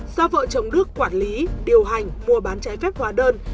do vợ chồng đức quản lý điều hành mua bán trái phép hóa đơn